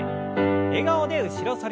笑顔で後ろ反り。